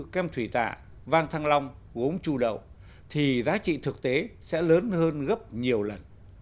kem thủy tạ vang thăng long gốm chu đậu thì giá trị thực tế sẽ lớn hơn gấp nhiều lần